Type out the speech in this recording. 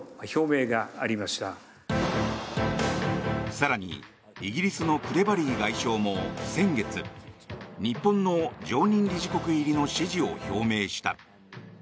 更にイギリスのクレバリー外相も先月日本の常任理事国入りの支持を表明した。